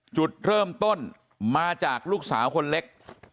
จุดเริ่มต้นมาจากลูกสาวคนเล็ก